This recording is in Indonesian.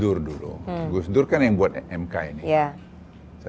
kemudian dkpp juga memberikan sanksi pelanggaran etik kepada ketua mk anwar usman